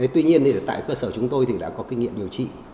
tuy nhiên tại cơ sở chúng tôi thì đã có kinh nghiệm điều trị